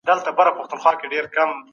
پرون مي یو نوی ملګری ولید.